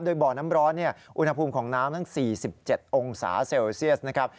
โดยบ่อน้ำร้อนอุณหภูมิของน้ำทั้ง๔๗องศาเซลเซียสนะครับ